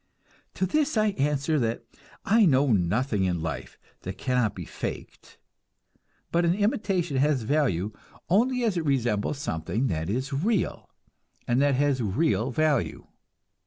To this I answer that I know nothing in life that cannot be "faked"; but an imitation has value only as it resembles something that is real, and that has real value.